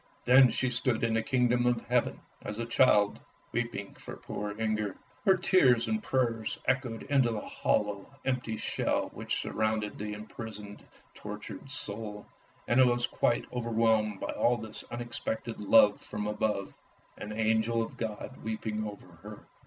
Then she stood in the Kingdom of Heaven, as a child, weeping for poor Inger. Her tears and prayers echoed into the hollow, empty shell which surrounded the imprisoned, tortured soul, and it was quite over whelmed by all this unexpected love from above. An angel of God weeping over her